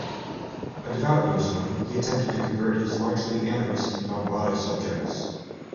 A devout Muslim, he attempted to convert his largely animist Bambara subjects.